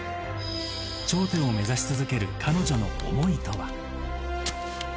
頂点を目指し続ける彼女の想いとは。